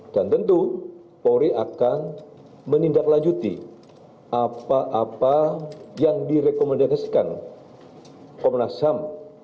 dan tentu polri akan menindaklanjuti apa apa yang direkomendasikan komnas ham